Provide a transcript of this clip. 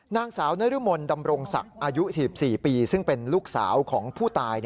นางสาวนรมนดำรงศักดิ์อายุ๔๔ปีซึ่งเป็นลูกสาวของผู้ตาย